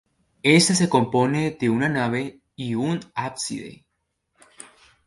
Esta se compone de una nave y un ábside.